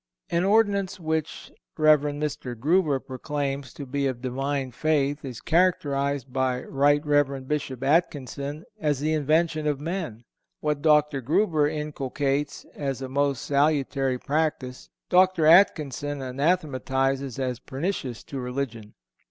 An ordinance which Rev. Mr. Grueber proclaims to be of Divine faith is characterized by Rt. Rev. Bishop Atkinson(458) as the invention of men. What Dr. Grueber inculcates as a most salutary practice Dr. Atkinson anathematizes as pernicious to religion.